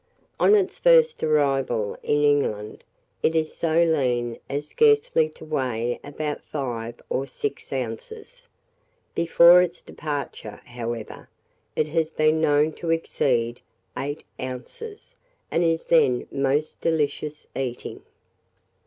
On its first arrival in England, it is so lean as scarcely to weigh above five or six ounces; before its departure, however, it has been known to exceed eight ounces, and is then most delicious eating.